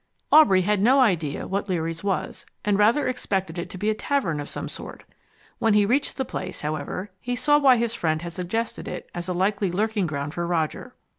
Aubrey had no idea what Leary's was, and rather expected it to be a tavern of some sort. When he reached the place, however, he saw why his friend had suggested it as a likely lurking ground for Roger.